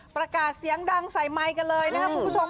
ประกาศเสียงดังใส่ไมค์กันเลยนะครับคุณผู้ชม